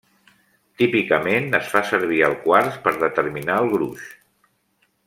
Típicament es fa servir el quars per determinar el gruix.